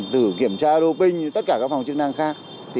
từ kiểm tra đô ping tất cả các phòng chức năng khác